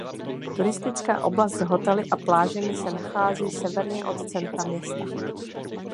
Turistická oblast s hotely a plážemi se nachází severně od centra města.